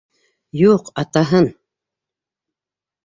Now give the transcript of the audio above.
Юҡ, атаһын.